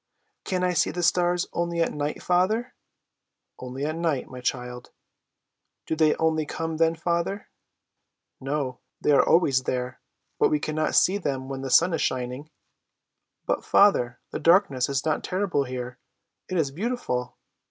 "Can I see the stars only at night, father?" "Only at night, my child!" "Do they only come then, father?" "No; they are always there, but we cannot see them when the sun is shining." "But, father, the darkness is not terrible here, it is beautiful!"